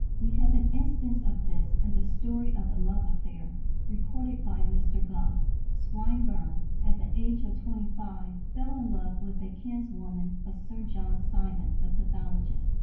We have an instance of this in the story of the love affair recorded by Mr. Gosse. Swinburne, at the age of twenty five, fell in love with a kinswoman of Sir John Simon, the pathologist.